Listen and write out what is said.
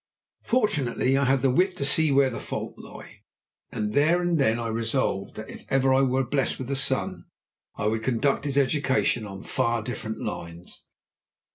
"Fortunately I had the wit to see where the fault lay, and there and then I resolved that if ever I were blessed with a son, I would conduct his education on far different lines.